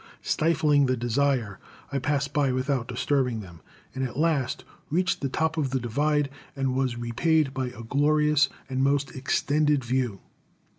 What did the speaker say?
Stifling the desire, I passed by without disturbing them, and at last reached the top of the divide, and was repaid by a glorious and most extended view.